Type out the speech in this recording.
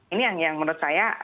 ini yang menurut saya